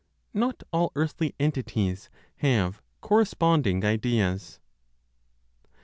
" NOT ALL EARTHLY ENTITIES HAVE CORRESPONDING IDEAS.